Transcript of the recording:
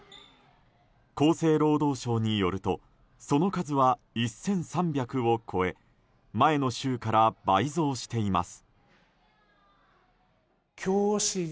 厚生労働省によるとその数は１３００を超え前の週から倍増しています。